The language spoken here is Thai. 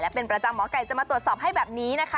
เป็นประจำหมอไก่จะมาตรวจสอบให้แบบนี้นะคะ